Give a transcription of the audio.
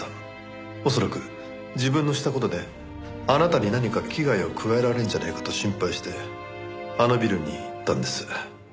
恐らく自分のした事であなたに何か危害を加えられるんじゃないかと心配してあのビルに行ったんです。